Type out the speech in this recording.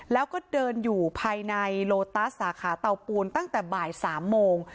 แล้วก็เดินอยู่ภายในโลตัสสาขาเตาปูนตั้งแต่บ่าย๓โมง